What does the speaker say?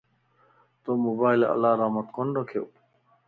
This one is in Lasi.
تو موبائل الارمت ڪون رکيو؟